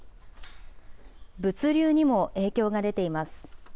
物流にも影響が出ています。